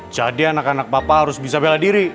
jadi anak anak papa harus bisa bela diri